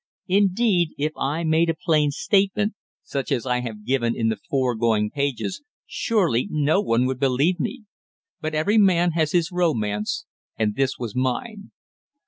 Indeed, if I made a plain statement, such as I have given in the foregoing pages, surely no one would believe me. But every man has his romance, and this was mine.